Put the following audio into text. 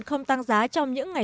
không tăng giá trong những ngày